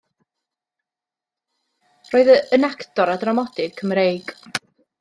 Roedd yn actor a dramodydd Cymreig.